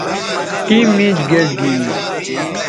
ٹیم میچ گئٹ گی